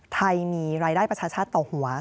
ไทยมีรายได้ประชาชาติต่อหัว